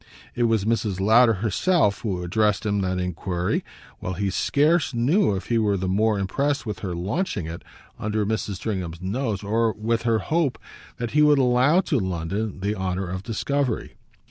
It was Mrs. Lowder herself who addressed him that enquiry; while he scarce knew if he were the more impressed with her launching it under Mrs. Stringham's nose or with her hope that he would allow to London the honour of discovery.